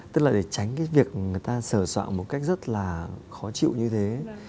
tức là để tránh cái việc người ta sờ soạn một cách rất là khó chịu như thế